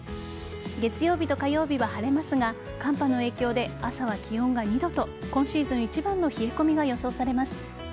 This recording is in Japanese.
月曜日と火曜日は晴れますが寒波の影響で、朝は気温が２度と今シーズン一番の冷え込みが予想されます。